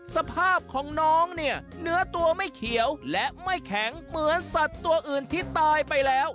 สภาพของน้องเนี่ยเนื้อตัวไม่เขียวและไม่แข็งเหมือนสัตว์ตัวอื่นที่ตายไปแล้ว